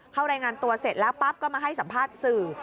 เข้ารายงานตัวเสร็จแล้วปั๊บก็มาให้สัมภาษณ์สื่อ